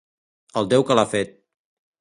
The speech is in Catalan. El Déu que l'ha fet!